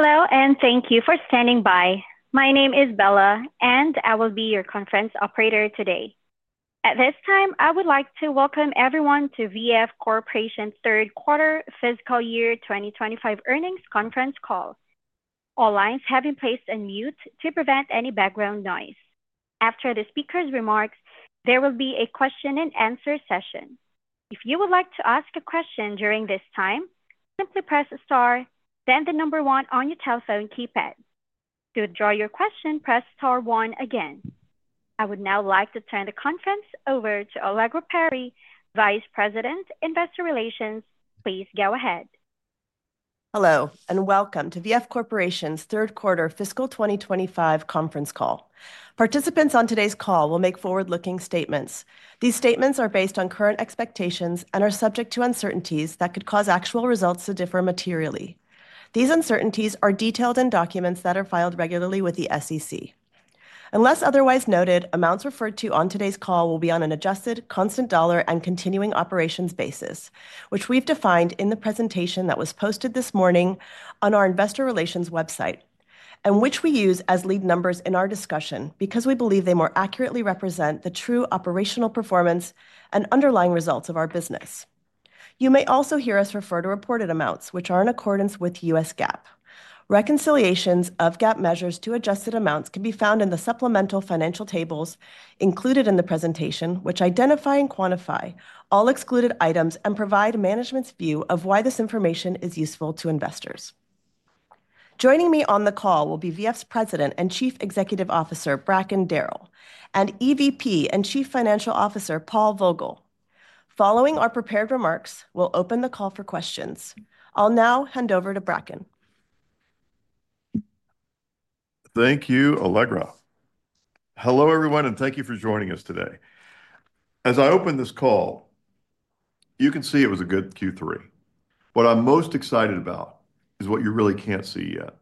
Hello and thank you for standing by. My name is Bella and I will be your conference operator today. At this time I would like to welcome everyone to VF Corporation third quarter fiscal year 2025 earnings conference call. All lines have been placed on mute to prevent any background noise. After the speaker's remarks, there will be a question and answer session. If you would like to ask a question during this time, simply press star then the number one on your telephone keypad. To withdraw your question, press star one again. I would now like to turn the conference over to Allegra Perry, Vice President, Investor Relations. Please go ahead. Hello and welcome to VF Corporation's third quarter fiscal 2025 conference call. Participants on today's call will make forward-looking statements. These statements are based on current expectations and are subject to uncertainties that could cause actual results to differ materially. These uncertainties are detailed in documents that are filed regularly with the SEC. Unless otherwise noted, amounts referred to on today's call will be on an Adjusted Constant Dollar and Continuing Operations basis which we've defined in the presentation that was posted this morning on our investor relations website and which we use as lead numbers in our discussion because we believe they more accurately represent the true operational performance and underlying results of our business. You may also hear us refer to reported amounts which are in accordance with US GAAP. Reconciliations of GAAP measures to adjusted amounts can be found in the supplemental financial tables included in the presentation which identify and quantify all excluded items and provide management's view of why this information is useful to investors. Joining me on the call will be VF's President and Chief Executive Officer Bracken Darrell and Executive Vice President and Chief Financial Officer Paul Vogel. Following our prepared remarks, we'll open the call for questions. I'll now hand over to Bracken. Thank you, Allegra. Hello everyone and thank you for joining us today. As I opened this call, you can see it was a good Q3. What I'm most excited about is what you really can't see yet.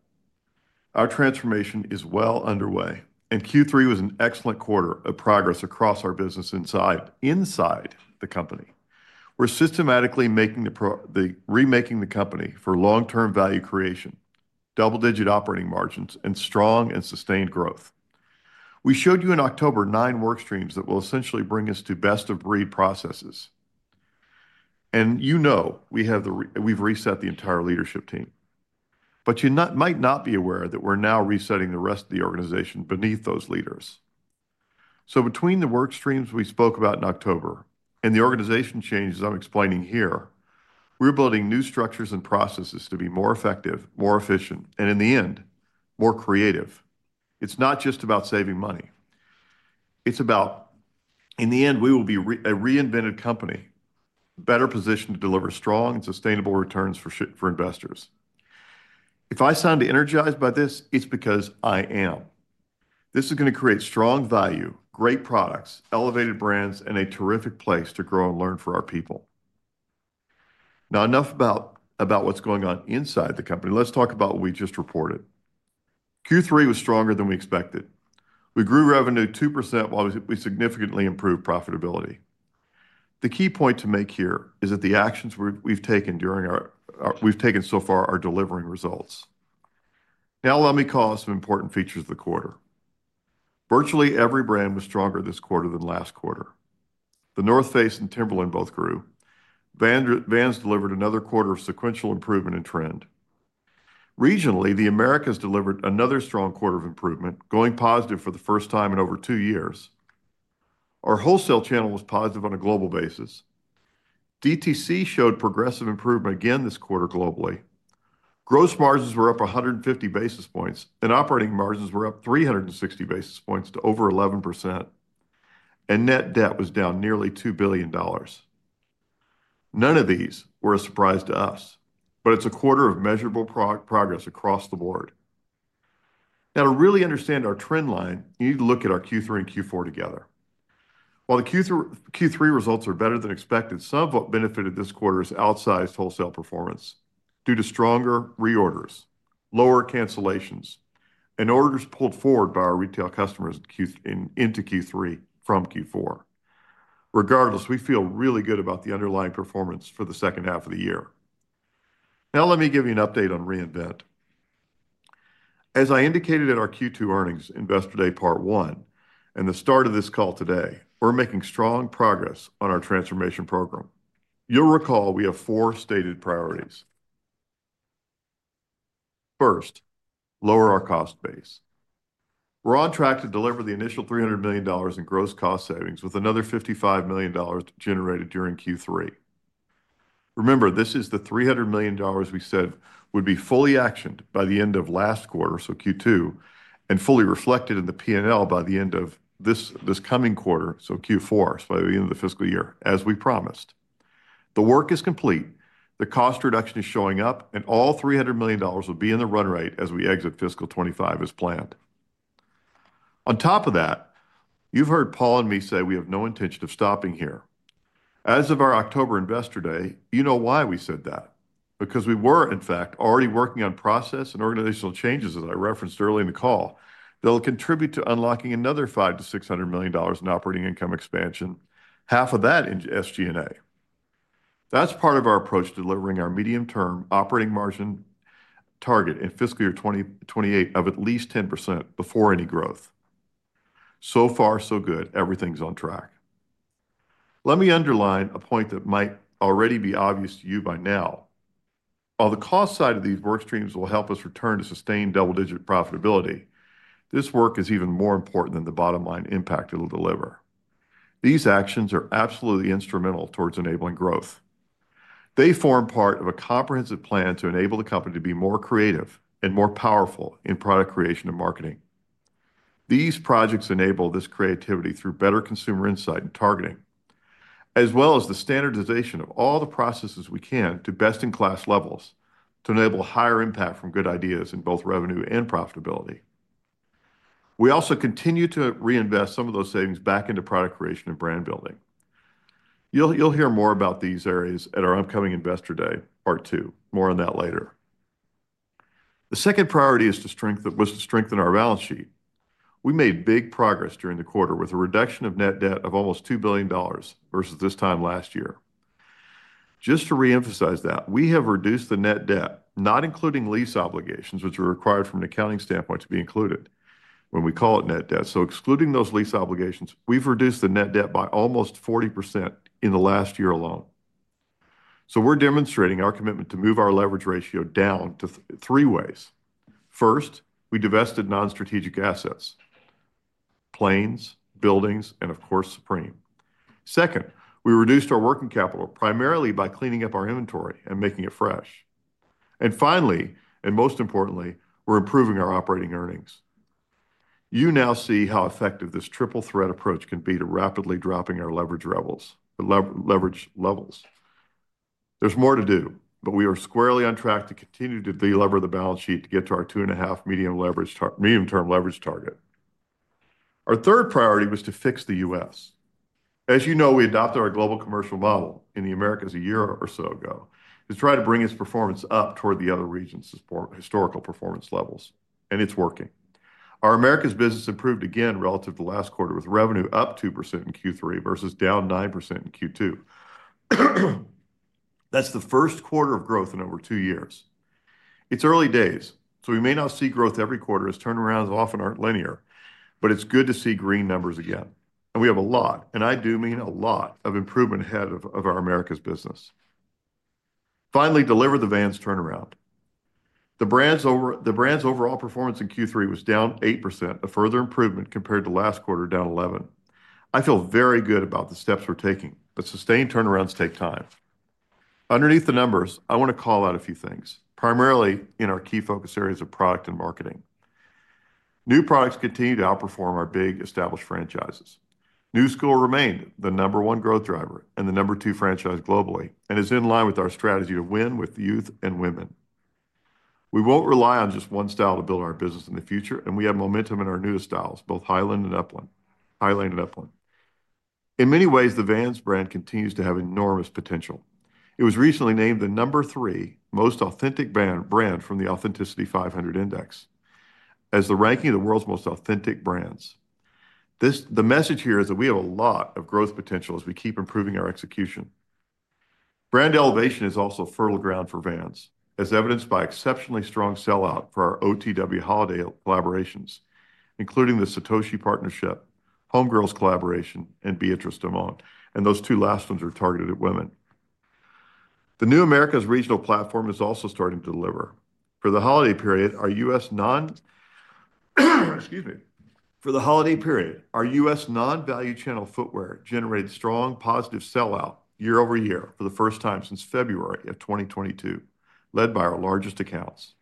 Our transformation is well underway and Q3 was an excellent quarter of progress across our business inside the company. We're systematically remaking the company for long-term value creation, double-digit operating margins and strong and sustained growth. We showed you in October nine work streams that will essentially bring us to best-of-breed processes. And you know we've reset the entire leadership team but you might not be aware that we're now resetting the rest of the organization beneath those leaders. So between the work streams we spoke about in October and the organization changes I'm explaining here, we're building new structures and processes to be more effective, more efficient, and in the end more creative. It's not just about saving money. It's about in the end we will be a reinvented company better positioned to deliver strong and sustainable returns for investors. If I sound energized by this, it's because I am. This is going to create strong value, great products, elevated brands, and a terrific place to grow and learn for our people. Now enough about what's going on inside the company. Let's talk about what we just reported. Q3 was stronger than we expected. We grew revenue 2% while we significantly improved profitability. The key point to make here is that the actions we've taken so far are delivering results. Now let me call some important features of the quarter. Virtually every brand was stronger this quarter than last quarter. The North Face and Timberland both grew. Vans delivered another quarter of sequential improvement in trend. Regionally, the Americas delivered another strong quarter of improvement, going positive for the first time in over two years. Our wholesale channel was positive on a global basis. DTC showed progressive improvement again this quarter. Globally, gross margins were up 150 basis points and operating margins were up 360 basis points to over 11%. And net debt was down nearly $2 billion. None of these were a surprise to us, but it's a quarter of measurable progress across the board. Now, to really understand our trend line, you need to look at our Q3 and Q4 together. While the Q3 results are better than expected, some of what benefited this quarter's outsized wholesale performance, due to stronger reorders, lower cancellations and orders pulled forward by our retail customers into Q3 from Q4. Regardless, we feel really good about the underlying performance for the second half of the year. Now let me give you an update on Reinvent. As I indicated at our Q2 earnings investor day part one and the start of this call today, we're making strong progress on our transformation program. You'll recall we have four stated priorities. First, lower our cost base. We're on track to deliver the initial $300 million in gross cost savings with another $55 million generated during Q3. Remember, this is the $300 million we said would be fully actioned by the end of last quarter. So Q2 and fully reflected in the P&L by the end of this coming quarter. So Q4 by the end of the fiscal year as we promised. The work is complete, the cost reduction is showing up, and all $300 million will be in the run rate as we exit fiscal 2025 as planned. On top of that, you've heard Paul and me say we have no intention of stopping here as of our October Investor Day. You know why we said that? Because we were in fact already working on process and organizational changes as I referenced early in the call, that will contribute to unlocking another $500 million-$600 million in operating income expansion, half of that in SG&A. That's part of our approach to delivering our medium term operating margin target in fiscal year 2028 of at least 10% before any growth. So far so good. Everything's on track. Let me underline a point that might already be obvious to you by now. While the cost side of these work streams will help us return to sustained double-digit profitability, this work is even more important than the bottom line impact it will deliver. These actions are absolutely instrumental towards enabling growth. They form part of a comprehensive plan to enable the company to be more creative and more powerful in product creation and marketing. These projects enable this creativity through better consumer insight and targeting as well as the standardization of all the processes we can to best-in-class levels to enable higher impact from good ideas in both revenue and profitability. We also continue to reinvest some of those savings back into product creation and brand building. You'll hear more about these areas at our upcoming Investor Day. Part two. More on that later. The second priority was to strengthen our balance sheet. We made big progress during the quarter with a reduction of net debt of almost $2 billion versus this time last year. Just to reemphasize that we have reduced the net debt not including lease obligations which are required from an accounting standpoint to be included when we call it net debt. So excluding those lease obligations, we've reduced the net debt by almost 40% in the last year alone. So we're demonstrating our commitment to move our leverage ratio down to 3x. First, we divested non-strategic assets, planes, buildings and of course Supreme. Second, we reduced our working capital primarily by cleaning up our inventory and making it fresh. And finally and most importantly, we're improving our operating earnings. You now see how effective this triple threat approach can be to rapidly dropping our leverage, reduce leverage levels. There's more to do, but we are squarely on track to continue to delever the balance sheet to get to our 2.5 medium-term leverage target. Our third priority was to fix the U.S., as you know. We adopted our global commercial model in the Americas a year or so ago to try to bring its performance up toward the other regions' historical performance levels. It's working. Our Americas business improved again relative to last quarter with revenue up 2% in Q3 versus down 9% in Q2. That's the first quarter of growth in over two years. It's early days, so we may not see growth every quarter as turnarounds often aren't linear. But it's good to see green numbers again and we have a lot, and I do mean a lot of improvement ahead of our Americas business finally deliver the Vans turnaround. The brand's overall performance in Q3 was down 8%, a further improvement compared to last quarter, down 11%. I feel very good about the steps we're taking, but sustained turnarounds take time. Underneath the numbers, I want to call out a few things, primarily in our key focus areas of product and marketing. New products continue to outperform our big established franchises. Knu Skool remained the number one growth driver and the number two franchise globally and is in line with our strategy to win with youth and women. We won't rely on just one style to build our business in the future and we have momentum in our newest styles, both Hylane and Upland. Hylane and Upland, in many ways, the Vans brand continues to have enormous potential. It was recently named the number three most authentic brand from the Authenticity 500 Index as the ranking of the world's most authentic brands. The message here is that we have a lot of growth potential as we keep improving our execution. Brand elevation is also fertile ground for Vans, as evidenced by exceptionally strong sellout for our OTW holiday collaborations including the Satoshi Partnership, Homegirls Collaboration and Beatrice Domond. And those two last ones are targeted at women. The new Americas regional platform is also starting to deliver for the holiday period, our U.S. Non. Excuse me? For the holiday period, our U.S. Non Value Channel Footwear generated strong positive sellout year over year for the first time since February of 2022. Led by our largest accounts,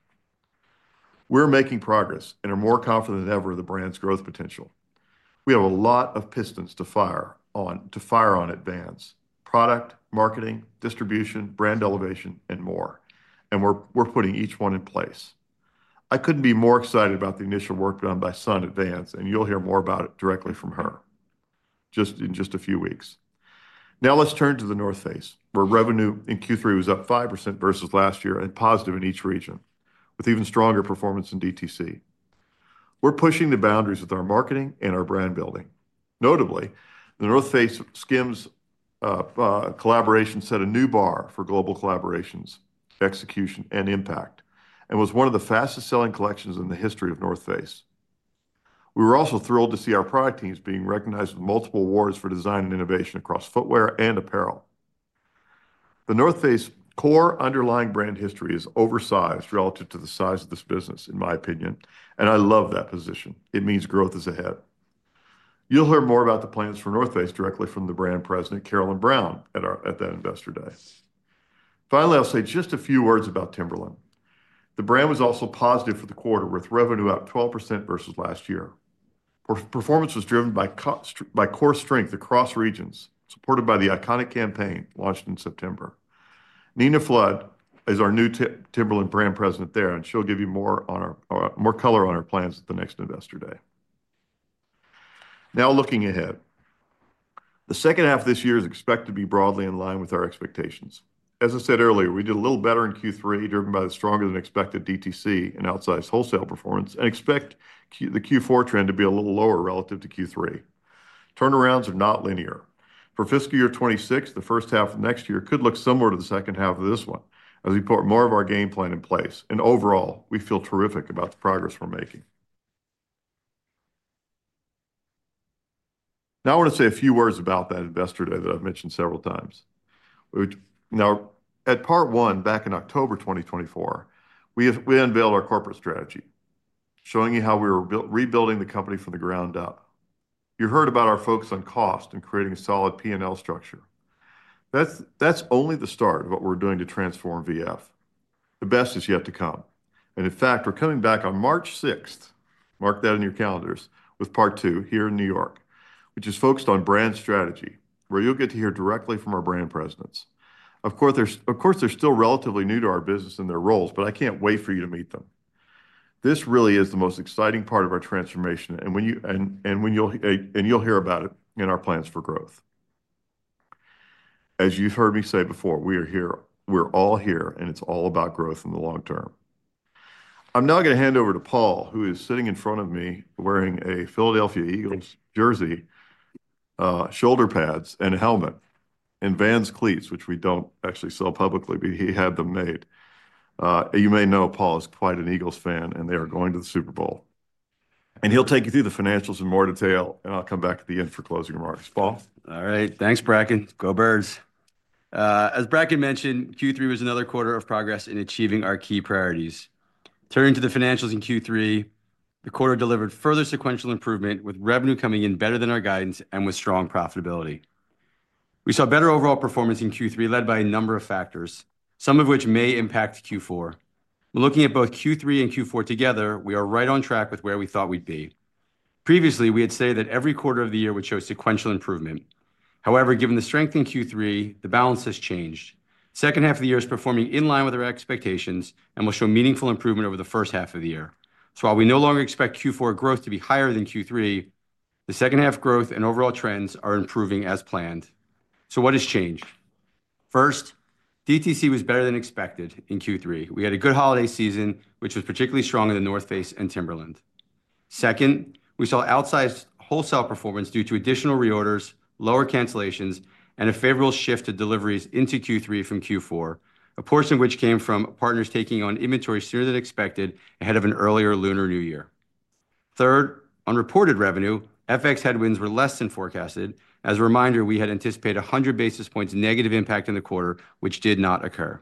we're making progress and are more confident than ever of the brand's growth potential. We have a lot of pistons to fire on at Vans product marketing, distribution, Brand Elevation and more, and we're putting each one in place. I couldn't be more excited about the initial work done by Sun Choe and you'll hear more about it directly from her in just a few weeks. Now let's turn to The North Face where revenue in Q3 was up 5% versus last year and positive in each region with even stronger performance in DTC. We're pushing the boundaries with our marketing and our brand building. Notably, The North Face SKIMS collaboration set a new bar for global collaborations, execution and impact and was one of the fastest selling collections in the history of The North Face. We were also thrilled to see our product teams being recognized with multiple awards for design and innovation across footwear and apparel. The North Face core underlying brand history is oversized relative to the size of this business, in my opinion, and I love that position. It means growth is ahead. You'll hear more about the plans for North Face directly from the Brand President Caroline Brown at our Investor Day. Finally, I'll say just a few words about Timberland. The brand was also positive for the quarter with revenue up 12% versus last year. Performance was driven by core strength across regions supported by the iconic campaign launched in September. Nina Flood is our new Timberland Brand President there and she'll give you more color on our plans at the next Investor Day. Now looking ahead, the second half this year is expected to be broadly in line with our expectations. As I said earlier, we did a little better in Q3, driven by the stronger than expected DTC and outsized wholesale performance, and expect the Q4 trend to be a little lower relative to Q3. Turnarounds are not linear for fiscal year 26. The first half of next year could look similar to the second half of this one as we put more of our game plan in place and overall we feel terrific about the progress we're making. Now I want to say a few words about that Investor Day that I've mentioned several times now, part one. Back in October 2024, we unveiled our corporate strategy, showing you how we were rebuilding the company from the ground up. You heard about our focus on cost and creating a solid P and L structure. That's only the start of what we're doing to transform VF. The best is yet to come and in fact we're coming back on March 6th. Mark that in your calendars with part two here in New York, which is focused on brand strategy, where you'll get to hear directly from our brand presidents. Of course, they're still relatively new to our business and their roles, but I can't wait for you to meet them. This really is the most exciting part of our transformation and you'll hear about it in our plans for growth. As you've heard me say before, we are here, we're all here, and it's all about growth in the long term. I'm now going to hand over to Paul who is sitting in front of me wearing a Philadelphia Eagles jersey, shoulder pads and a helmet and Vans cleats which we don't actually sell publicly, but he had them made. You may know Paul is quite an Eagles fan and they are going to the Super Bowl and he'll take you through the financials in more detail and I'll come back at the end for closing remarks. All right. Thanks, Bracken. Go Birds. As Bracken mentioned, Q3 was another quarter of progress in achieving our key priorities. Turning to the financials in Q3, the quarter delivered further sequential improvement with revenue coming in better than our guidance and with strong profitability. We saw better overall performance in Q3, led by a number of factors, some of which may impact Q4. When looking at both Q3 and Q4 together, we are right on track with where we thought we'd be. Previously we had stated that every quarter of the year would show sequential improvement. However, given the strength in Q3, the balance has changed. Second half of the year is performing in line with our expectations and will show meaningful improvement over the first half of the year. So while we no longer expect Q4 growth to be higher than Q3, the second half growth and overall trends are improving as planned. So what has changed? First, DTC was better than expected in Q3. We had a good holiday season which was particularly strong in The North Face and Timberland. Second, we saw outsized wholesale performance due to additional reorders, lower cancellations and a favorable shift to deliveries into Q3 from Q4, a portion of which came from partners taking on inventory sooner than expected ahead of an earlier Lunar New Year. Third, on reported revenue, FX headwinds were less than forecasted. As a reminder, we had anticipated 100 basis points negative impact in the quarter which did not occur,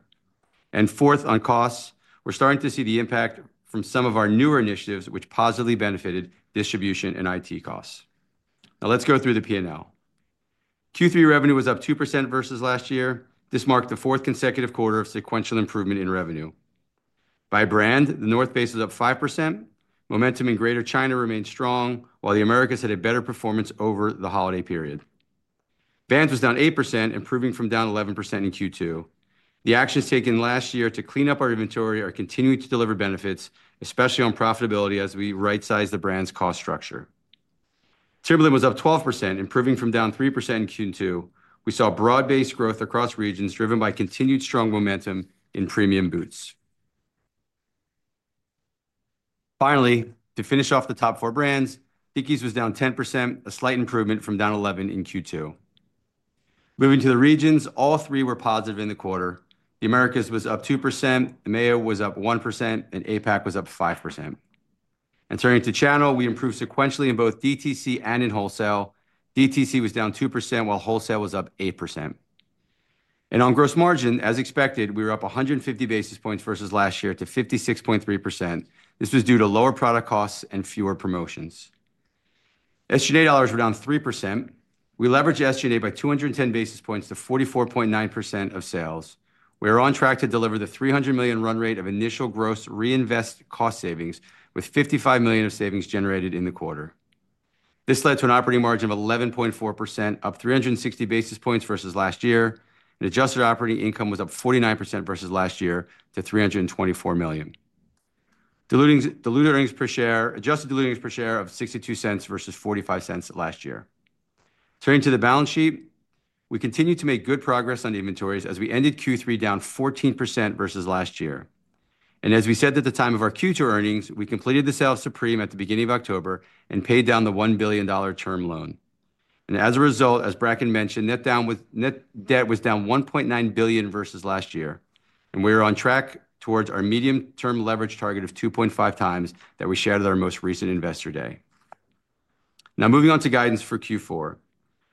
and fourth, on costs, we're starting to see the impact from some of our newer initiatives which positively benefited distribution and IT costs. Now let's go through the P&L. Q3 revenue was up 2% versus last year. This marked the fourth consecutive quarter of sequential improvement in revenue by brand. The North Face was up 5%. Momentum in Greater China remained strong while the Americas had a better performance over the holiday period. Vans was down 8%, improving from down 11% in Q2. The actions taken last year to clean up our inventory are continuing to deliver benefits, especially on profitability as we right-size the brand's cost structure. Timberland was up 12%, improving from down 3% in Q2. We saw broad-based growth across regions driven by continued strong momentum in premium boots. Finally, to finish off the top four brands, Dickies was down 10%, a slight improvement from down 11% in Q2. Moving to the regions, all three were positive in the quarter. The Americas was up 2%, EMEA was up 1% and APAC was up 5%. And turning to channel we improved sequentially in both DTC and in wholesale. DTC was down 2% while wholesale was up 8%. And on gross margin as expected we were up 150 basis points versus last year to 56.3%. This was due to lower product costs and fewer promotions. SGA dollars were down 3%. We leveraged SGA by 210 basis points to 44.9% of sales. We are on track to deliver the $300 million run rate of initial gross reinvest cost savings with $55 million of savings generated in the quarter. This led to an operating margin of 11.4% up 360 basis points versus last year and adjusted operating income was up 49% versus last year to $324 million. Diluted earnings per share. Adjusted diluted earnings per share of $0.62 versus $0.45 last year. Turning to the balance sheet, we continue to make good progress on inventories as we ended Q3 down 14% versus last year. And as we said at the time of our Q2 earnings, we completed the sale of Supreme at the beginning of October and paid down the $1 billion term loan. And as a result, as Bracken mentioned, net debt was down $1.9 billion versus last year. And we are on track towards our medium-term leverage target of 2.5 times that we shared at our most recent investor day. Now moving on to guidance for Q4,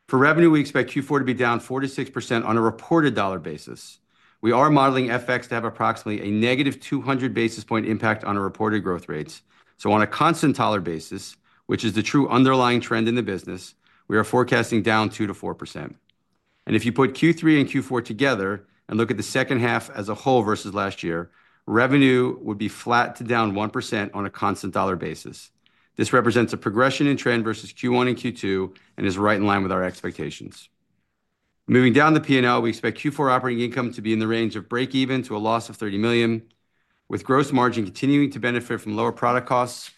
for revenue we expect Q4 to be down 4%-6% on a reported dollar basis. We are modeling FX to have approximately a negative 200 basis points impact on our reported growth rates. So on a constant dollar basis, which is the true underlying trend in the business, we are forecasting down 2%-4%. And if you put Q3 and Q4 together and look at the second half as a whole versus last year, revenue would be flat to down 1% on a constant dollar basis. This represents a progression in trend versus Q1 and Q2 and is right in line with our expectations. Moving down the P&L, we expect Q4 operating income to be in the range of break-even to a loss of $30 million with gross margin continuing to benefit from lower product costs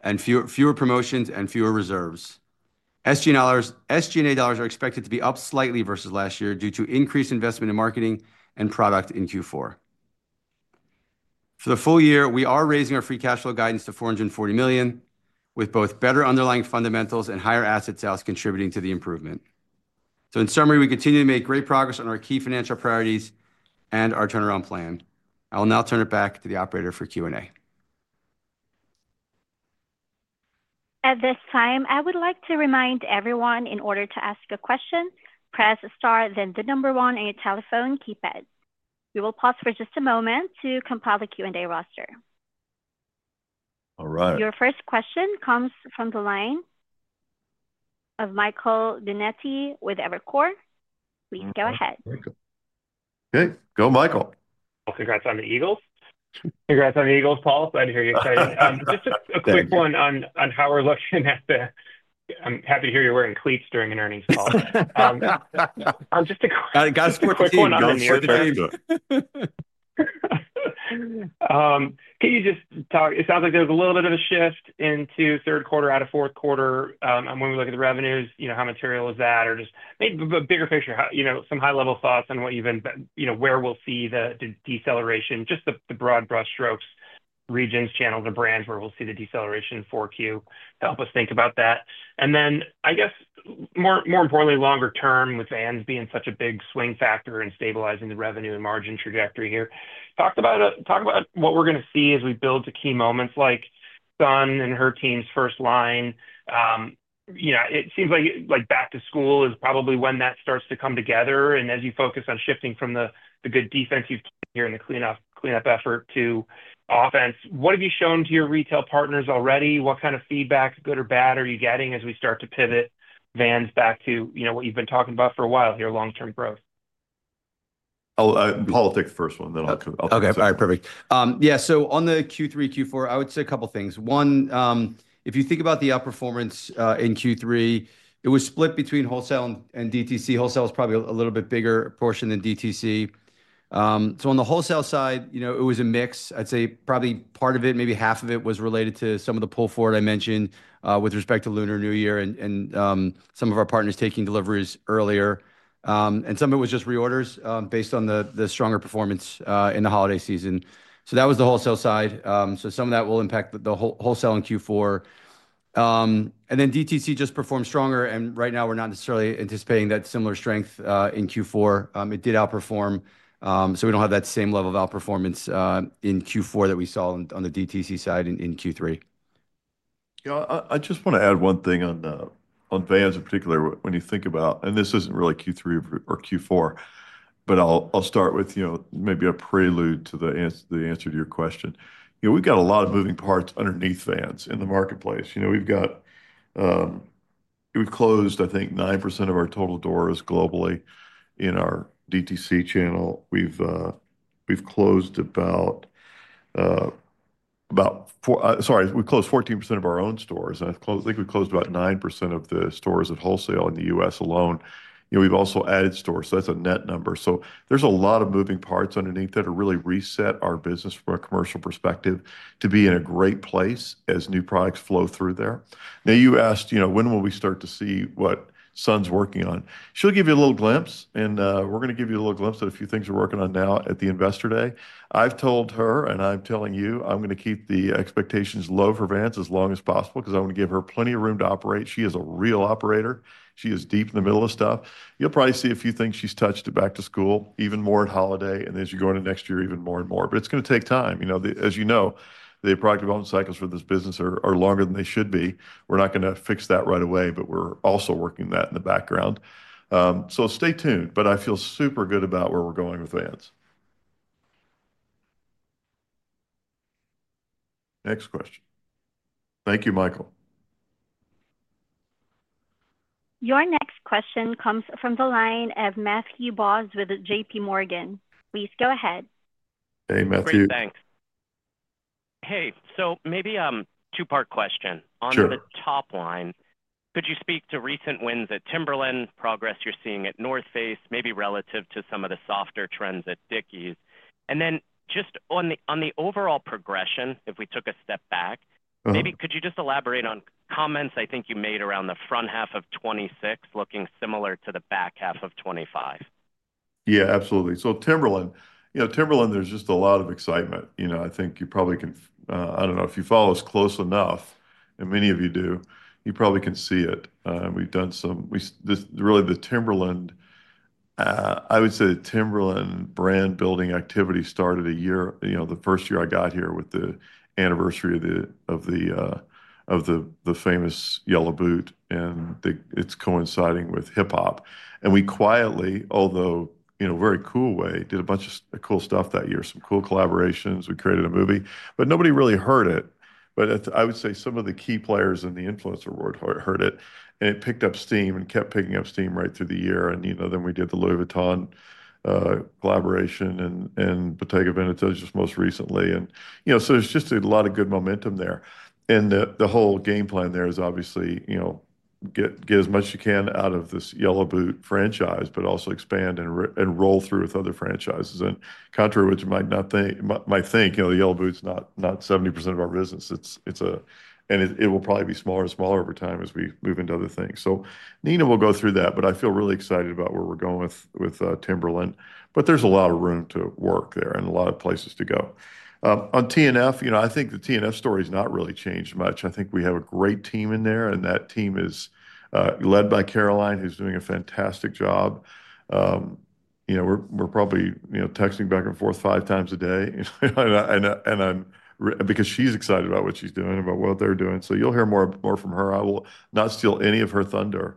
and fewer promotions and fewer reserves. SG&A dollars are expected to be up slightly versus last year due to increased investment in marketing and product in Q4. For the full year, we are raising our free cash flow guidance to $440 million with both better underlying fundamentals and higher asset sales contributing to the improvement. So in summary, we continue to make great progress on our key financial priorities and our turnaround plan. I will now turn it back to the operator for Q and A. At this time I would like to remind everyone in order to ask a question, press Star, then the number one on your telephone keypad. We will pause for just a moment to compile the Q and A roster. All right, your first question comes from the line of Michael Binetti with Evercore. Please go ahead. Go Michael. Congrats on the Eagles. Congrats on the Eagles, Paul. Glad to hear you're excited. Just a quick one on how we're looking at the. I'm happy to hear you're wearing cleats during an earnings call. Can you just talk? It sounds like there's a little bit of a shift into third quarter out of fourth quarter when we look at the revenues, you know, how material is that or just maybe a bigger picture? You know, some high level thoughts on what you've been, you know, where we'll see the deceleration, just the broad brushstrokes, regions channel the brands where we'll see the deceleration 4Q to help us think about that and then I guess more importantly, longer term with Vans being such a big swing factor and stabilizing the revenue and margin trajectory here talked about, talk about what we're going to see as we build to key moments like Sun and her team's first line, you know, it seems like back to school is probably when that starts to come together. And as you focus on shifting from the good defense you've heard in the cleanup effort to offense, what have you shown to your retail partners already? What kind of feedback, good or bad, are you getting as we start to pivot Vans back to, you know, what you've been talking about for a while here, long-term growth? Politics first one, then I'll okay. All right. Perfect. Yeah. So on the Q3 Q4, I would say a couple of things. One, if you think about the outperformance in Q3, it was split between wholesale and DTC. Wholesale is probably a little bit bigger portion than DTC. So on the wholesale side, you know, it was a mix. I'd say probably part of it, maybe half of it was related to some of the pull forward. I mentioned with respect to Lunar New Year and some of our partners taking deliveries earlier. And some of it was just reorders based on the stronger performance in the holiday season. So that was the wholesale side. So some of that will impact the wholesale in Q4. And then DTC just performed stronger. And right now we're not necessarily anticipating that similar strength in Q4. It did outperform. We don't have that same level of outperformance in Q4 that we saw on the DTC side in Q3. I just want to add one thing on Vans in particular when you think about, and this isn't really Q3 or Q4, but I'll start with maybe a prelude to the answer to your question. We've got a lot of moving parts underneath Vans in the marketplace. We've closed, I think, 9% of our total doors globally. In our DTC channel, we've closed about. Sorry, we closed 14% of our own stores and I think we closed about 9% of the stores of wholesale in the U.S. alone. You know, we've also added stores. That's a net number. So there's a lot of moving parts underneath that are really reset our business from a commercial perspective to be in a great place as new products flow through there. Now you asked, you know, when will we start to see what Sun's working on? She'll give you a little glimpse and we're going to give you a little glimpse of a few things we're working on now at the investor day. I've told her and I'm telling you I'm going to keep the expectations low for Vans as long as possible because I want to give her plenty of room to operate. She is a real operator. She is deep in the middle of stuff. You'll probably see a few things. She's touched it back to school even more at Holiday and as you go into next year, even more and more, but it's going to take time, you know, as you know, the product development cycles for this business are longer than they should be. We're not going to fix that right away, but we're also working that in the background, so stay tuned. But I feel super good about where we're going with Vans. Next question. Thank you, Michael. Your next question comes from the line of Matthew Boss with JPMorgan. Please go ahead. Hey Matthew. Thanks. Hey, so maybe two-part question on the top line, could you speak to recent wins at Timberland, progress you're seeing at North Face, maybe relative to some of the softer trends at Dickies. And then just on the overall progression, if we took a step back, maybe could you just elaborate on comments I think you made around the front half of 2026 looking similar to the back half of 2025. Yeah, absolutely. So Timberland, you know, Timberland, there's just a lot of excitement. You know, I think you probably can, I don't know if you follow us close enough and many of you do, you probably can see it. We've done some really, the Timberland, I would say the Timberland brand building activity started a year, you know, the first year I got here with the anniversary of the famous yellow boot and it's coinciding with hip hop. And we quietly, although, you know, very cool way, did a bunch of cool stuff that year, some cool collaborations. We created a movie, but nobody really heard it. But I would say some of the key players in the Influencer award heard it and it picked up steam and kept picking up steam right through the year. You know, then we did the Louis Vuitton collaboration and Bottega Veneta just most recently. You know, so there's just a lot of good momentum there. The whole game plan there is obviously, you know, get as much as you can out of this Yellow Boot franchise, but also expand and roll through with other franchises, contrary to what you might think. You might think, you know, the Yellow Boots not 70% of our business. It's a. It will probably be smaller and smaller over time as we move into other things. Nina will go through that. I feel really excited about where we're going with Timberland, but there's a lot of room to work there and a lot of places to go on TNF. You know, I think the TNF story has not really changed much. I think we have a great team in there and that team is led by Caroline, who's doing a fantastic job. You know, we're probably, you know, texting back and forth five times a day and I'm. Because she's excited about what she's doing, about what they're doing. So you'll hear more, more from her. I will not steal any of her thunder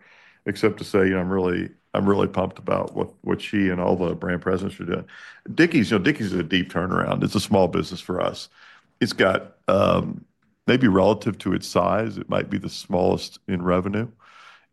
except to say, you know, I'm really, I'm really pumped about what, what she and all the brand presidents are doing. Dickies, you know, Dickies is a deep turnaround. It's a small business for us. It's got, maybe relative to its size, it might be the smallest in revenue.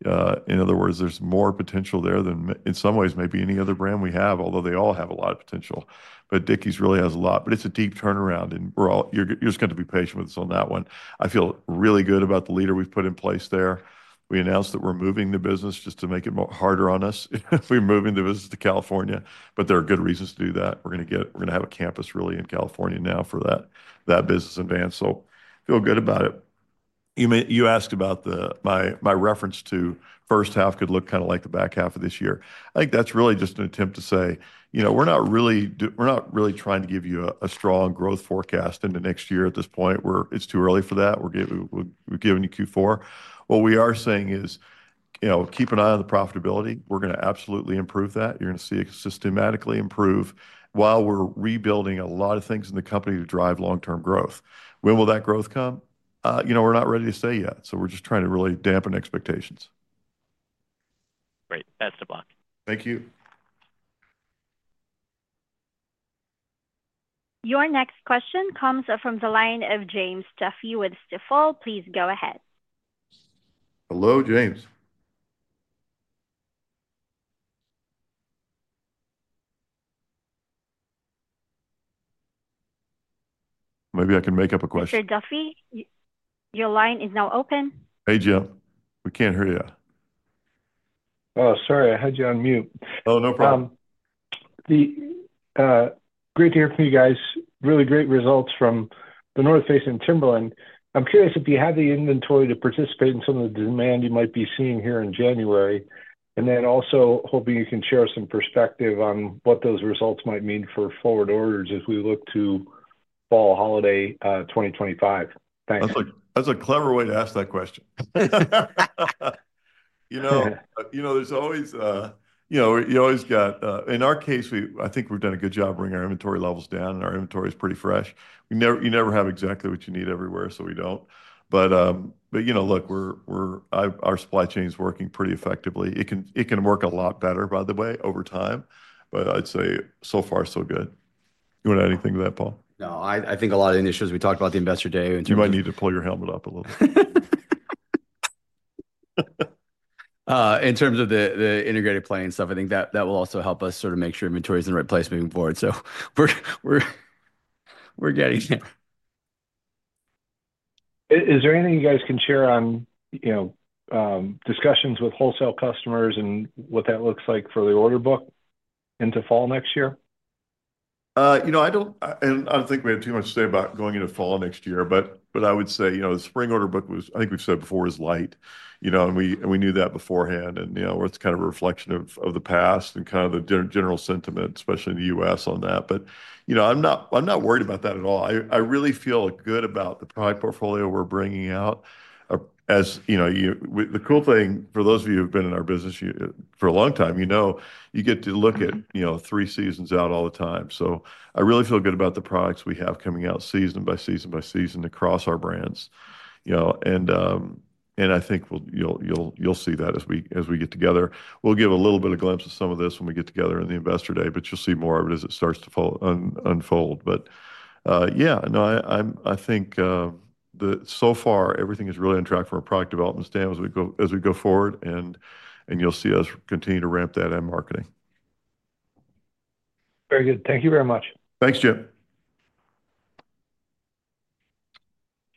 In other words, there's more potential there than in some ways maybe any other brand we have. Although they all have a lot of potential. But Dickies' really has a lot. But it's a deep turnaround and we're all. You're just going to be patient with us on that one. I feel really good about the leader we've put in place there. We announced that we're moving the business just to make it harder on us if we're moving the business to California. But there are good reasons to do that. We're going to get, we're going to have a campus really in California now for that business and Vans. So feel good about it. You may. You asked about my reference to first half could look kind of like the back half of this year. I think that's really just an attempt to say, you know, we're not really, we're not really trying to give you a strong growth forecast into next year at this point. It's too early for that. We're giving, we're giving you Q4. What we are saying is, you know, keep an eye on the profitability. We're going to absolutely improve that. You're going to see it systematically improve while we're rebuilding a lot of things in the company to drive long-term growth. When will that growth come? You know, we're not ready to say yet. So we're just trying to really dampen expectations. Great. Best of luck. Thank you. Your next question comes from the line of James Duffy with Stifel. Please go ahead. Hello, James. Maybe I can make up a question. Mr. Duffy, your line is now open. Hey Jim, we can't hear you. Oh, sorry, I had you on mute. Oh, no problem. It's great to hear from you guys. Really great results from The North Face and Timberland. I'm curious if you have the inventory to participate in some of the demand you might be seeing here in January and then also hoping you can share some perspective on what those results might mean for forward orders as we look to fall holiday 2025. Thanks. That's a clever way to ask that question. You know, there's always, you know, you always got. In our case, I think we've done a good job bringing our inventory levels down and our inventory is pretty fresh. You never have exactly what you need everywhere. So we don't. But you know, look, our supply chain is working pretty effectively. It can work a lot better by the way, over time. But I'd say, so far so good. You want to add anything to that, Paul? No, I think a lot of initiatives we talked about the Investor Day. You might need to pull your helmet up a little. In terms of the integrated plan stuff. I think that will also help us sort of make sure inventory is in the right place moving forward. So we're getting there. Is there anything you guys can share on, you know, discussions with wholesale customers and what that looks like for the order book into fall next year? You know, I don't think we have too much to say about going into fall next year. But I would say, you know, the spring order book was, I think we've said before, is light, you know, and we knew that beforehand and you know, it's kind of a reflection of the past and kind of the general sentiment, especially in the U.S. on that. But, you know, I'm not worried about that at all. I really feel good about the product portfolio we're bringing out, as you know, the cool thing for those of you who've been in our business for a long time. You know, you get to look at, you know, three seasons out all the time. So I really feel good about the products we have coming out season by season across our brands, you know, and I think you'll see that as we get together. We'll give a little bit of glimpse of some of this when we get together in the investor day, but you'll see more of it as it starts to unfold. But yeah, no, I think so far everything is really on track for a product development standpoint as we go forward. And you'll see us continue to ramp that up in marketing. Very good. Thank you very much. Thanks, Jim.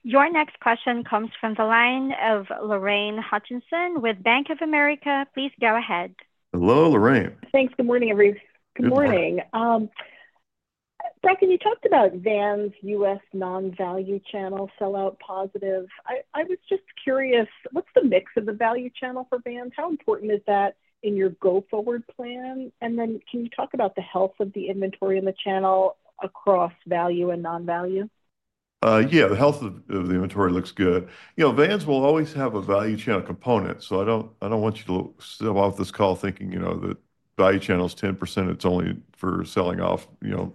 Your next question comes from the line of Lorraine Hutchinson with Bank of America. Please go ahead. Hello, Lorraine. Thanks. Good morning everyone. Good morning, Bracken. You talked about Vans U.S. non-value channel sellout positive. I was just curious, what's the mix of the value channel for Vans? How important is that in your go forward plan? Can you talk about the health of the inventory in the channel across value and non value? Yeah, the health of the inventory looks good. You know, Vans will always have a value channel component. So I don't, I don't want you to step off this call thinking, you know, that value channels 10%. It's only for selling off, you know,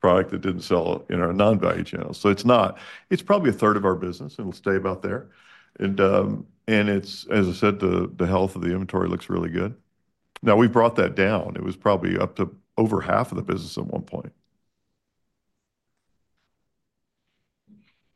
product that didn't sell in our non value channel. So it's not, it's probably a third of our business. It'll stay about there. And, and it's as I said, the, the health of the inventory looks really good now. We brought that down. It was probably up to over half of the business at one point.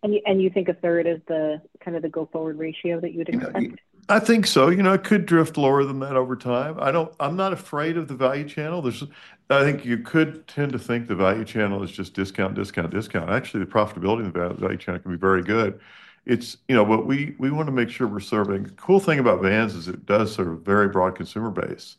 You think a third is the kind of the go forward ratio that you'd expect? I think so. You know, it could drift lower than that over time. I don't, I'm not afraid of the value channel. There's, I think you could tend to think the value channel is just discount, discount, discount. Actually the profitability of the value channel can be very good. It's, you know what we, we want to make sure we're serving. Cool thing about Vans is it does have a very broad consumer base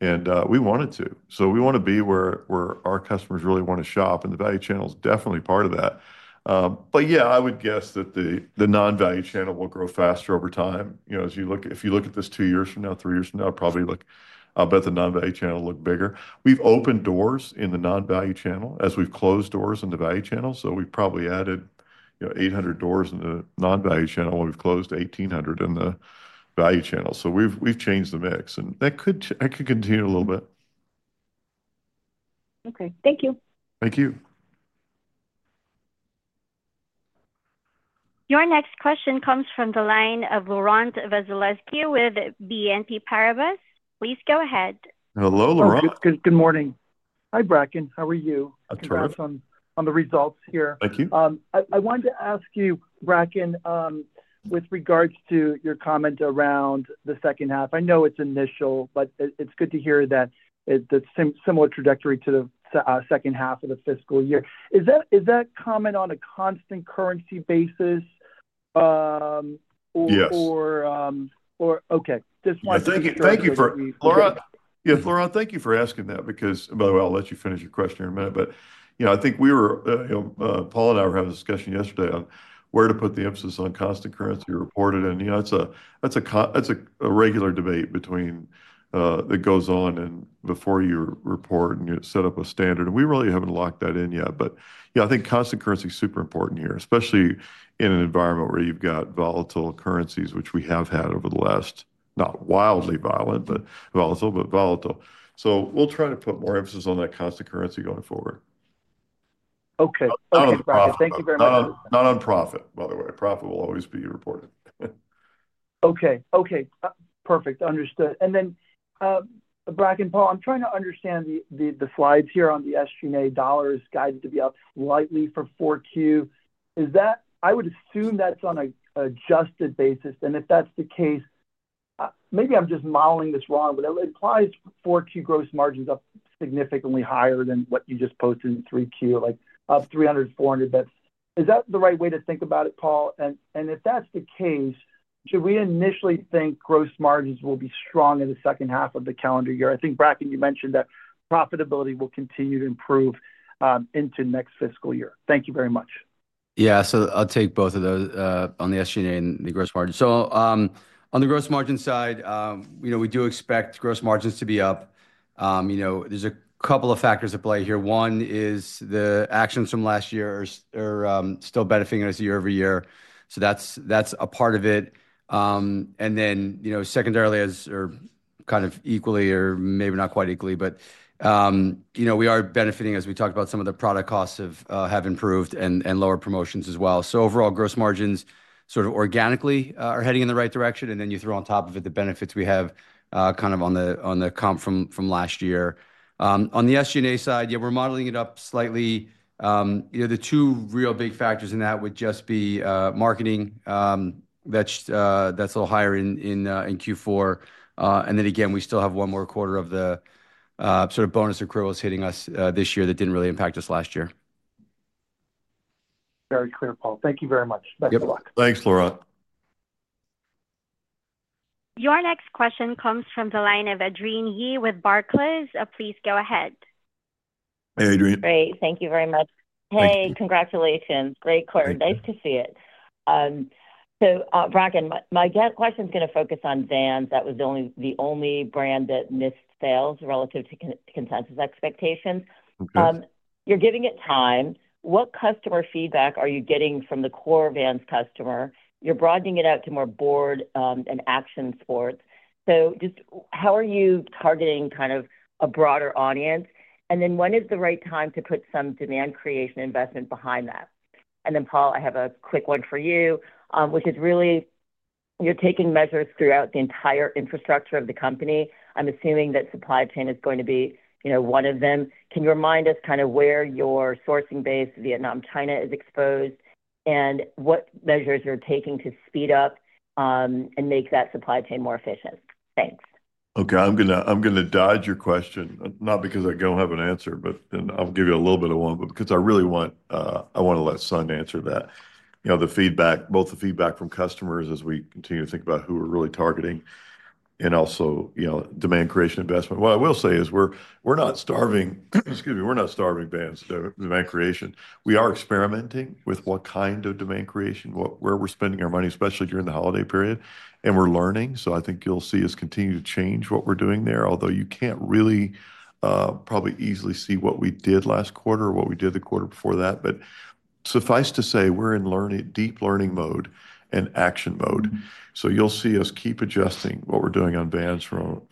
and we wanted to, so we want to be where, where our customers really want to shop. And the value channel is definitely part of that. But yeah, I would guess that the, the non value channel will grow faster over time. You know. You know, as you look, if you look at this two years from now, three years from now, probably look, I'll bet the non value channel look bigger. We've opened doors in the non-Value channel as we've closed doors in the Value channel. So we've probably added, you know, 800 doors in the non-Value channel. We've closed 1,800 in the Value channel. So we've changed the mix and that could continue a little bit. Okay, thank you. Thank you. Your next question comes from the line of Laurent Vasilescu with BNP Paribas. Please go ahead. Hello, Laurent, good morning. Hi Bracken, how are you on the results here? Thank you. I wanted to ask you, Bracken, with regards to your comment around the second half. I know it's initial, but it's good to hear that similar trajectory to the second half of the fiscal year. Is that, is that common on a constant currency basis or. Okay, just want. Yeah, Flora, thank you for asking that because, by the way, I'll let you finish your question in a minute. But you know, I think Paul and I were having a discussion yesterday on where to put the emphasis on constant currency reported. And you know, that's a regular debate between that goes on and before you report and you set up a standard and we really haven't locked that in yet. But yeah, I think constant currency is super important here, especially in an environment where you've got volatile currencies which we have had over the last. Not wildly violent but volatile. But volatile. So we'll try to put more emphasis on that constant currency going forward. Okay, thank you very much. Not on profit, by the way. Profit will always be reported. Okay, okay, perfect. Understood. And then, Bracken. Paul, I'm trying to understand the, the slides here on the SG&A dollar is guided to be up slightly for 4Q. Is that. I would assume that's on a adjusted basis. And if that's the case, maybe I'm just modeling this wrong, but it implies 4Q gross margins up significantly higher than what you just posted in 3Q. Like up 300, 400. That's. Is that the right way to think about it, Paul? And if that's the case, should we initially think gross margins will be strong in the second half of the calendar year? I think, Bracken, you mentioned that profitability will continue to improve into next fiscal year. Thank you very much. Yeah, so I'll take both of those on the SG&A and the gross margin. So on the gross margin side, you know, we do expect gross margins to be up. You know, there's a couple of factors at play here. One is the actions from last year are still benefiting us year over year. So that's a part of it. And then, you know, secondarily, as are kind of equally, or maybe not quite equally, but you know, we are benefiting. As we talked about, some of the product costs have improved and lower promotions as well. So overall gross margins sort of organically are heading in the right direction. And then you throw on top of it, the benefits we have kind of on the comp from last year on the SG&A side. Yeah, we're modeling it up slightly. You know, the two real big factors in that would just be marketing. That's a little higher in Q4, and then again, we still have one more quarter of the sort of bonus accruals hitting us this year. That didn't really impact us last year. Very clear, Paul. Thank you very much. Thanks, Laurent. Your next question comes from the line of Adrienne Yih with Barclays. Please go ahead. Hey, Adrienne, great. Thank you very much. Hey, congratulations. Great quarter. Nice to see it. So, Bracken, my question is going to focus on Vans. That was the only brand that missed sales relative to consensus expectations. You're giving it time. What customer feedback are you getting from the core Vans customer? You're broadening it out to more board and action sports. So just how are you targeting kind of a broader audience? And then when is the right time to put some demand creation investment behind that? And then, Paul, I have a quick one for you which is really, you're taking measures throughout the entire infrastructure of the company. I'm assuming that supply chain is going. To be, you know, one of them. Can you remind us kind of where your sourcing base, Vietnam, China is exposed and what measures are taking to speed up and make that supply chain more efficient? Thanks. Okay, I'm going to, I'm going to dodge your question, not because I don't have an answer, but I'll give you a little bit of one, but because I really want, I want to let Sun answer that. You know, the feedback, both the feedback from customers as we continue to think about who we're really targeting and also demand creation investment. What I will say is we're not starving. Excuse me, we're not starving demand creation. We are experimenting with what kind of demand creation where we're spending our money, especially during the holiday period and we're learning. So I think you'll see us continue to change what we're doing there. Although you can't really probably easily see what we did last quarter or what we did the quarter before that. But suffice to say, we're in deep learning mode and action mode. So you'll see us keep adjusting what we're doing on Vans from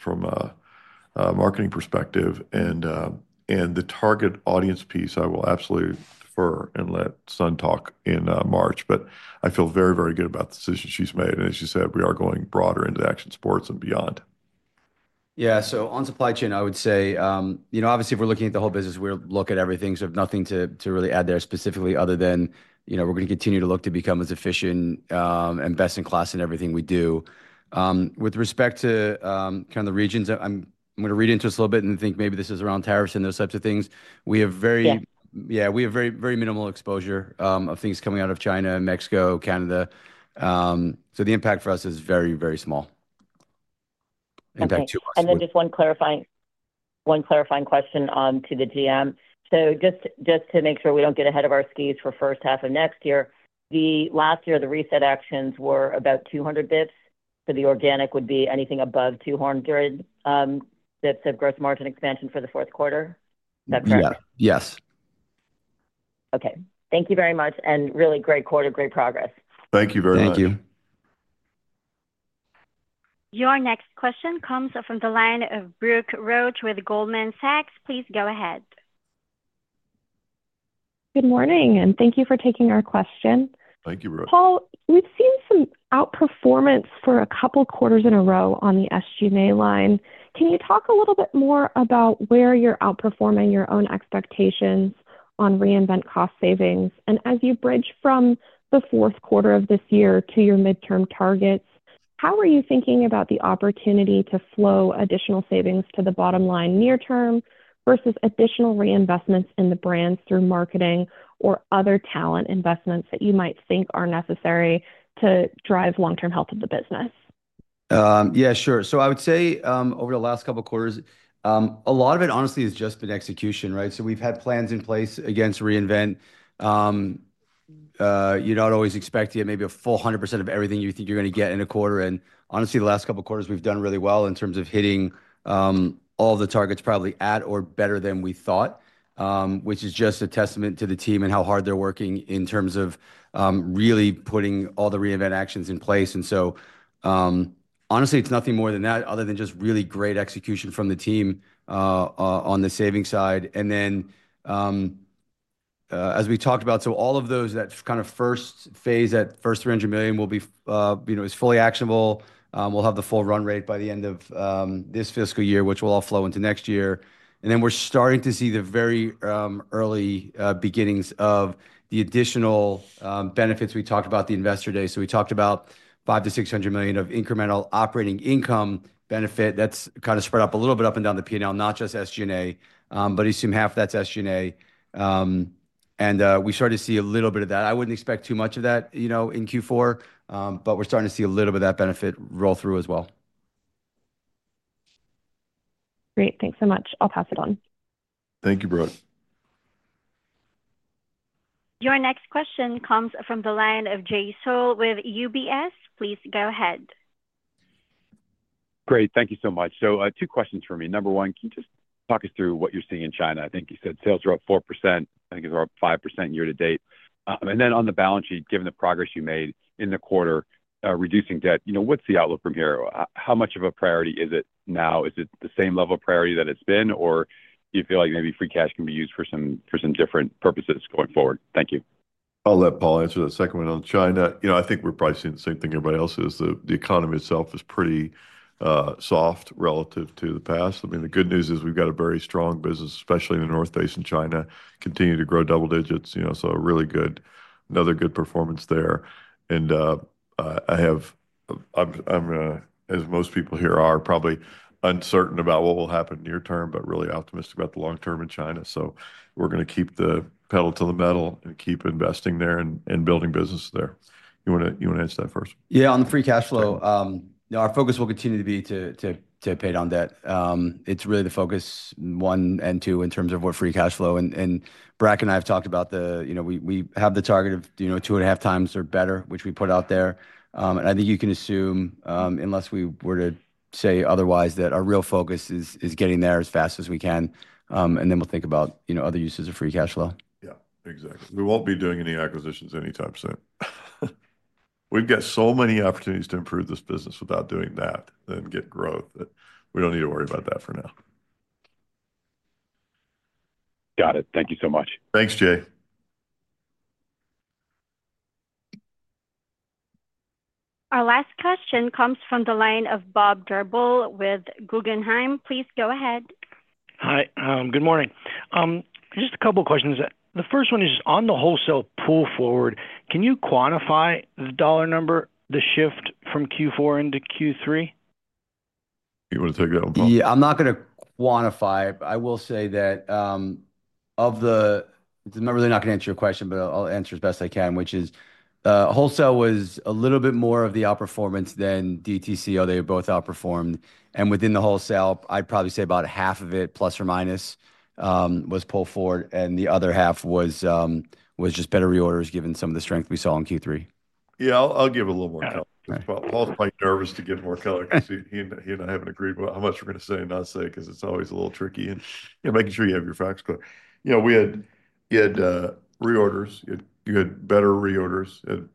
marketing perspective and the target audience piece. I will absolutely defer and let Sun talk in March. But I feel very, very good about the decision she's made. And as you said, we are going broader into action sports and beyond. Yeah, so on supply chain, I would say, you know, obviously if we're looking at the whole business, we look at everything. So nothing to really add there specifically other than, you know, we're going to continue to look to become as efficient and best in class in everything we do with respect to kind of the regions. I'm going to read into this a little bit and think maybe this is around tariffs and those types of things. Yeah, we have very, very minimal exposure of things coming out of China, Mexico, Canada. So the impact for us is very, very small. Then just one clarifying question to the GM. So just to make sure we don't get ahead of our skis for first half of next year. The last year the reset actions were about 200 basis points for the organic would be anything above 200 basis points of gross margin expansion for the fourth quarter. Yes. Okay, thank you very much and really great quarter. Great progress. Thank you very much. Thank you. Your next question comes from the line of Brooke Roach with Goldman Sachs. Please go ahead. Good morning and thank you for taking our question. Thank you Roach. Paul, we've seen some outperformance for a couple quarters in a row on the SG&A line. Can you talk a little bit more about where you're outperforming your own expectations on reinvent cost savings? And as you bridge from the fourth quarter of this year to your midterm targets, how are you thinking about the opportunity to flow additional savings to the bottom line near term versus additional reinvestments in the brands through marketing or other talent investments that you might think are necessary to drive long term health of the business? Yeah, sure. So I would say over the last couple quarters a lot of it honestly has just been execution. Right. So we've had plans in place against Reinvent. You don't always expect to get maybe a full 100% of everything you think you're going to get in a quarter. And honestly the last couple quarters we've done really well in terms of hitting all the targets probably at or better than we thought which is just a testament to the team and how hard they're working in terms of really putting all the Reinvent actions in place. And so honestly it's nothing more than that other than just really great execution from the team on the saving side. And then as we talked about, so all of those, that kind of first phase, that first $300 million will be, you know, is fully actionable. We'll have the full run rate by the end of this fiscal year, which will all flow into next year, and then we're starting to see the very early beginnings of the additional benefits. We talked about the investor day, so we talked about $500 million-$600 million of incremental operating income benefit that's kind of spread up a little bit up and down the P&L, not just SG&A but assume half that's SG&A, and we started to see a little bit of that. I wouldn't expect too much of that, you know, in Q4 but we're starting to see a little bit that benefit roll through as well. Great, thanks so much. I'll pass it on. Thank you. Brooke. Your next question comes from the line of Jay Sole with UBS. Please go ahead. Great, thank you so much. So two questions for me. Number one, can you just talk us through what you're seeing in China? I think you said sales are up 4%. I think they're up 5% year to date. And then on the balance sheet given the progress you made in the quarter reducing debt. You know, what's the outlook from here? How much of a priority is it now? Is it the same level of priority that it's been? Or do you feel like maybe free cash can be used for some different purposes going forward? Thank you. I'll let Paul answer that. Second one on China, you know, I think we're probably seeing the same thing everybody else is. The economy itself is pretty soft relative to the past. I mean, the good news is we've got a very strong business, especially in The North Face. China continue to grow double digits, you know, so really good, another good performance there. And I have, I'm as most people here are probably uncertain about what will happen near term, but really optimistic about the long term in China. So we're going to keep the pedal to the metal and keep investing there and building business there. You want to answer that first? Yeah. On the free cash flow, our focus will continue to be to pay down debt. It's really the focus one and two in terms of what free cash flow. And Bracken and I have talked about the, you know, we have the target of, you know, two and a half times or better, which we put out there. And I think you can assume, unless we were to say otherwise, that our real focus is getting there as fast as we can and then we'll think about other uses of free cash flow. Yeah, exactly. We won't be doing any acquisitions anytime soon. We've got so many opportunities to improve this business without doing that and get growth that we don't need to worry about that for now. Got it. Thank you so much. Thanks, Jay. Our last question comes from the line of Bob Drbul with Guggenheim. Please go ahead. Hi, good morning. Just a couple questions. The first one is on the wholesale pull forward. Can you quantify the dollar number, the shift from Q4 into Q3? You want to take that? Yeah, I'm not going to quantify. I will say that. Really not going to answer your question, but I'll answer as best I can, which is wholesale was a little bit more of the outperformance than DTC. They both outperformed. And within the wholesale, I'd probably say about half of it, plus or minus, was pulled forward and the other half was just better reorders given some of the strength we saw in Q3. Yeah, I'll give a little more. Paul's quite nervous to give more color because he and I haven't agreed with how much we're going to say and not say, because it's always a little tricky and making sure you have your facts clear. You know, we had reorders, you had better reorders and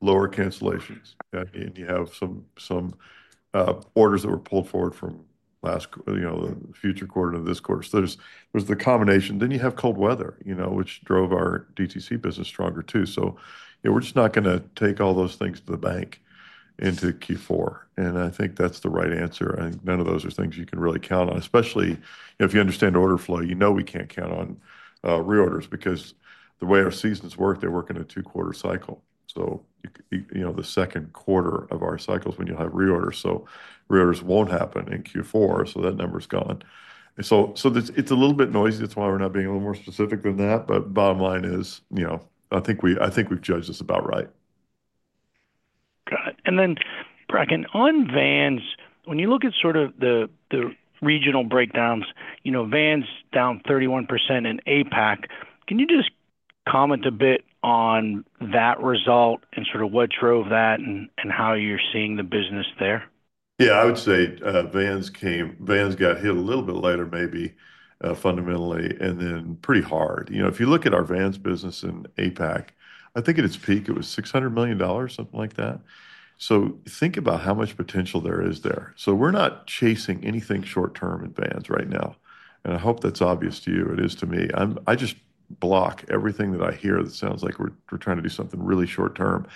lower cancellations and you have some orders that were pulled forward from last, you know, the future quarter of this quarter. So there's the combination. Then you have cold weather, you know, which drove our DTC business stronger too. So yeah, we're just not going to take all those things to the bank into Q4 and I think that's the right answer. I think none of those are things you can really count on, especially if you understand order flow. You. We can't count on reorders because the way our seasons work, they work in a two-quarter cycle, so you know the second quarter of our cycles when you'll have reorders, so reorders won't happen in Q4, so that number's gone, so this, it's a little bit noisy. That's why we're not being a little more specific than that, but bottom line is, you know, I think we've judged this about right. Then Bracken on Vans. When you look at sort of the regional breakdowns, you know, Vans down 31% in APAC. Can you just comment a bit on that result and sort of what drove that and how you're seeing the business there? Yeah, I would say Vans came, Vans got hit a little bit later maybe fundamentally and then pretty hard. You know, if you look at our Vans business in APAC, I think at its peak it was $600 million, something like that. So think about how much potential there is there. So we're not chasing anything short term in Vans. Right. And I hope that's obvious to you. It is to me. I just block everything that I hear that sounds like we're trying to do something really short term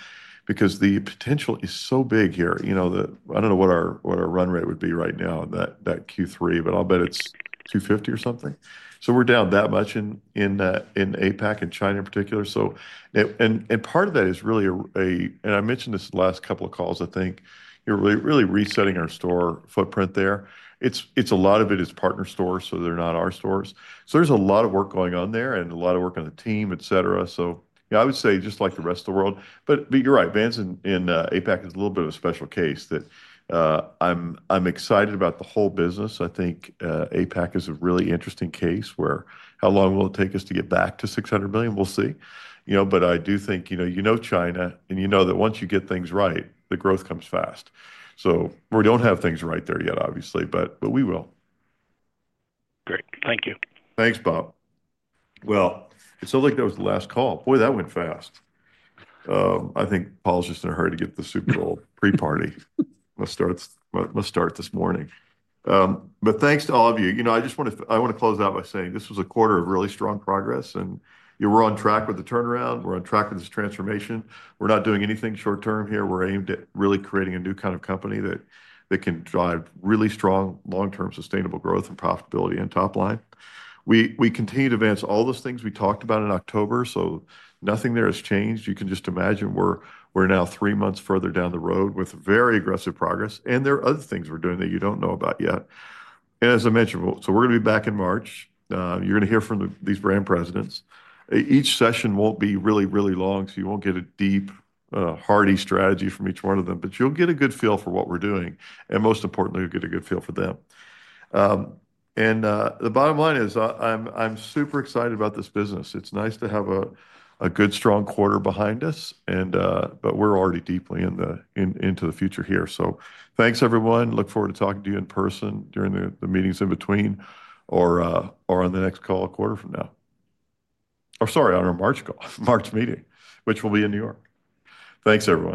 because the potential is so big here. You know, the, I don't know what our, what our run rate would be right now that, that Q3, but I'll bet it's 250 or something. So we're down that much in, in, in APAC, in China in particular. So. And part of that is really, and I mentioned this last couple of calls. I think you're really resetting our store footprint there. It's a lot of it is partner stores, so they're not our stores. So there's a lot of work going on there and a lot of work on the team, etc. So yeah, I would say just like the rest of the world. But you're right, Vans in APAC is a little bit of a special case that I'm excited about the whole business. I think APAC is a really interesting case where how long will it take us to get back to $600 million? We'll see. You know, but I do think, you know, China and you know that once you get things right, the growth comes fast. So we don't have things right there yet obviously, but. But we will. Great, thank you. Thanks, Bob. Well, it sounds like that was the last call. Boy, that went fast. I think Paul's just in a hurry to get the Super Bowl pre party. Let's start this morning. But thanks to all of you. You know, I just want to, I want to close out by saying this was a quarter of really strong progress and you were on track with the turnaround. We're on track with this transformation. We're not doing anything short term here. We're aimed at really creating a new kind of, that can drive really strong long term sustainable growth and profitability. And top line, we continue to advance all those things we talked about in October. So nothing there has changed. You can just imagine we're now three months further down the road with very aggressive progress. And there are other things we're doing that you don't know about yet. And as I mentioned, we're going to be back in March. You're going to hear from these brand presidents. Each session won't be really, really long, so you won't get a deep-dive strategy from each one of them, but you'll get a good feel for what we're doing and most importantly, you'll get a good feel for them. And the bottom line is I'm super excited about this business. It's nice to have a good, strong quarter behind us, but we're already deeply into the future here. So thanks everyone. Look forward to talking to you in person during the meetings in between or on the next call a quarter from now or sorry, on our March call, March meeting which will be in New York. Thanks everyone.